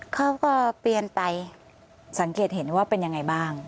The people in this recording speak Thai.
เขาก็เปลี่ยนไปสังเกตเห็นว่าเป็นยังไงบ้าง